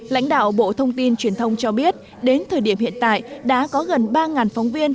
lãnh đạo bộ thông tin truyền thông cho biết đến thời điểm hiện tại đã có gần ba phóng viên